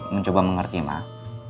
mencoba mengerti mak